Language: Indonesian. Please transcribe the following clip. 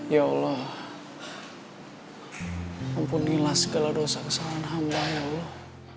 ya allah ampunilah segala dosa kesalahan hamba ya allah